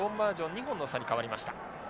２本の差に変わりました。